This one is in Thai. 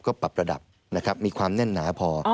ก็ปรับระดับนะครับมีความแน่นหนาพอ